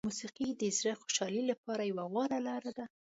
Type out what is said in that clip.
موسیقي د زړه خوشحالي لپاره یوه غوره لاره ده.